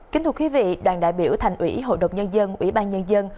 kính thưa quý vị đoàn đại biểu thành ủy hội đồng nhân dân ủy ban nhân dân